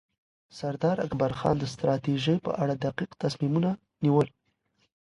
سردار اکبرخان د ستراتیژۍ په اړه دقیق تصمیمونه نیول.